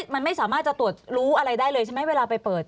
มันไม่สามารถจะตรวจรู้อะไรได้เลยใช่ไหมเวลาไปเปิด